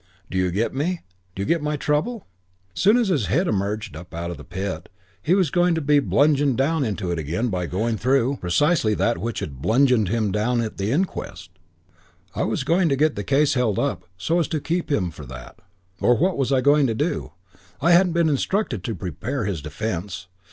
Do you get me? Do you get my trouble? Soon as his head emerged up out of the pit, was he going to be bludgeoned down into it again by going through in the Divorce Court precisely that which had bludgeoned him down at the inquest? Was I going to get the case held up so as to keep him for that? Or what was I going to do? I hadn't been instructed to prepare his defence.